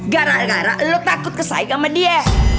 gara gara lo takut kesahin sama dia